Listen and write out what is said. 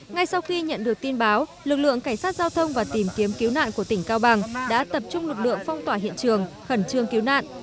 ngay sau khi nhận được tin báo lực lượng cảnh sát giao thông và tìm kiếm cứu nạn của tỉnh cao bằng đã tập trung lực lượng phong tỏa hiện trường khẩn trương cứu nạn